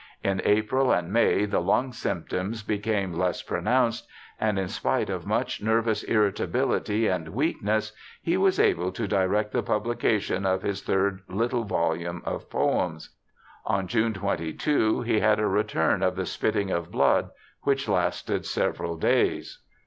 In April and May the lung symptoms became less pronounced, and in spite of much nervous irritability and weakness he was able to direct the publication of his third little volume of poems. On June 22 he had a return of the spitting of blood, which lasted several days.